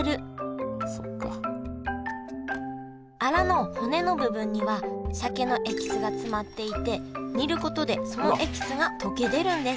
アラの骨の部分には鮭のエキスが詰まっていて煮ることでそのエキスが溶け出るんです